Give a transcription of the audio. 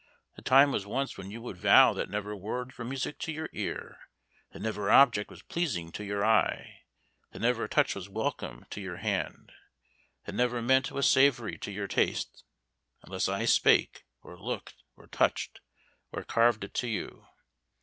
The time was once when you would vow that never words were music to your ear, that never object was pleasing to your eye, that never touch was welcome to your hand, that never meat was savoury to your taste, unless I spake, or looked, or touched, or carved it to you.